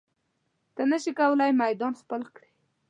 ته نشې کولی میدان خپل کړې.